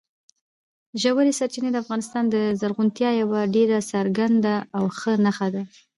ژورې سرچینې د افغانستان د زرغونتیا یوه ډېره څرګنده او ښه نښه ده.